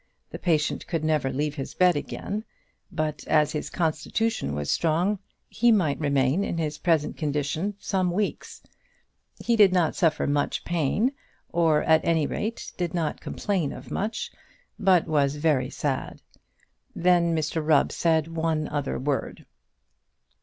The patient could never leave his bed again; but as his constitution was strong, he might remain in his present condition some weeks. He did not suffer much pain, or, at any rate, did not complain of much; but was very sad. Then Mr Rubb said one other word.